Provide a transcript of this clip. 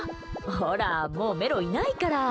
ほら、もうメロいないから。